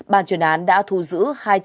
ban chuyên án đã thu giữ